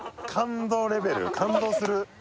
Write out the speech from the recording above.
感動する？